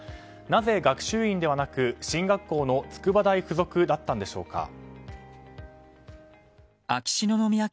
なぜ学習院ではなく進学校の筑波大学附属だったんでしょうか。